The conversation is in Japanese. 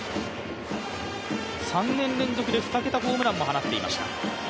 ３年連続で２桁ホームランも放っていました。